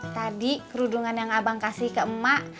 tadi kerudungan yang abang kasih ke emak